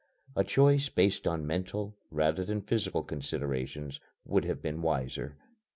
A choice based on mental rather than physical considerations would have been wiser.